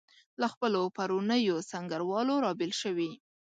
له خپلو پرونیو سنګروالو رابېل شوي.